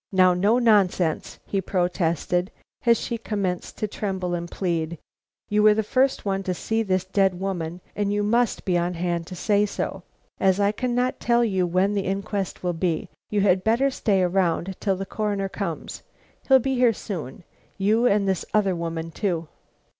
"Now, no nonsense!" he protested, as she commenced to tremble and plead. "You were the first one to see this dead woman, and you must be on hand to say so. As I cannot tell you when the inquest will be held, you had better stay around till the Coroner comes. He'll be here soon. You, and this other woman too."